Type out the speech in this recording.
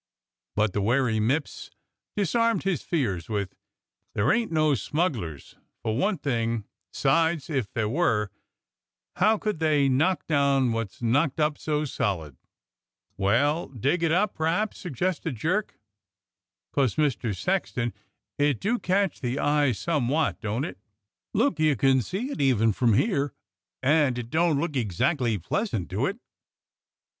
'^" But the wary Mipps disarmed his fears with : "There ain't no smugglers, for one thing; 'sides, if there was, how could they knock down wot's knocked up so solid .^" "Well, dig it up, p'raps," suggested Jerk, "'cos. Mister Sexton, it do catch the eye some wot, don't it? Look, you can see it even from here, and it don't look exactly pleasant, do it?"